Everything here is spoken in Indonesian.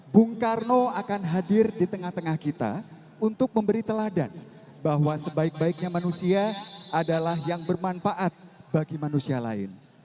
bung karno akan hadir di tengah tengah kita untuk memberi teladan bahwa sebaik baiknya manusia adalah yang bermanfaat bagi manusia lain